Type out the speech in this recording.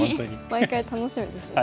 毎回楽しみですね。